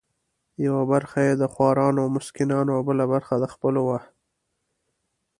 یوه برخه یې د خورانو او مسکینانو او بله برخه د خپلو وه.